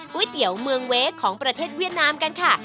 เตี๋ยวเมืองเว้ของประเทศเวียดนามกันค่ะ